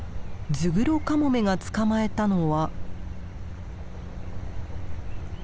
ズグロカモメが捕まえたのは。